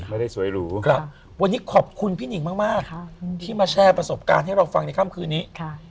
สวยหรูครับวันนี้ขอบคุณพี่หนิงมากที่มาแชร์ประสบการณ์ให้เราฟังในค่ำคืนนี้